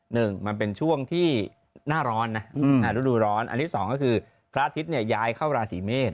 หนึ่งมันเป็นช่วงที่หน้าร้อนนะฤดูร้อนอันที่สองก็คือพระอาทิตย์เนี่ยย้ายเข้าราศีเมษ